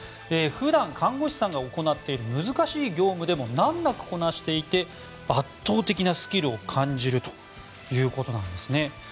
普段、看護師さんが行っている難しい業務でも難なくこなしていて圧倒的なスキルを感じるということなんですね。